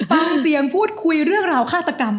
ฟังเสียงพูดคุยเรื่องราวฆาตกรรม